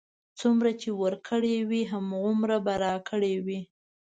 څومره چې ورکړه وي، هماغومره به راکړه وي.